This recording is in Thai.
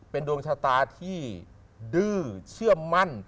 เป็นดวงชะตาที่ดื้อเชื่อมั่น